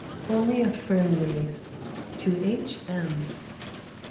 Only a Fern Leaf. TO H. M.